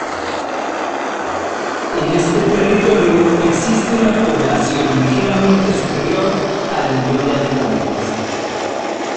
En este territorio existe una población ligeramente superior al millón de habitantes.